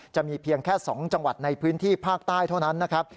จะมีเพียงแค่๒จังหวัดในพื้นที่ภาคใต้เท่านั้นนะครับ